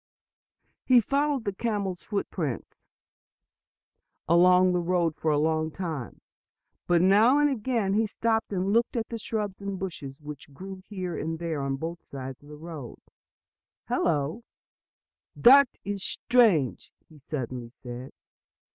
He followed the camel's footprints along the road for a long time. But now and again he stopped and looked at the shrubs and bushes which grew here and there, on both sides of the road. "Hello, that is strange!" he suddenly said.